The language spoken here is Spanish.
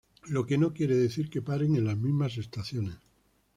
Lo que no quiere decir que paren en las mismas estaciones.